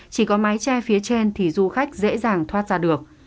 chỉ có mái che phía trên thì du khách dễ dàng thoát ra được